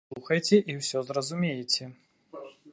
Слухайце, і ўсё зразумееце.